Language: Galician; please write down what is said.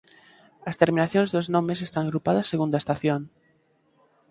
As terminacións dos nomes están agrupadas segundo a estación.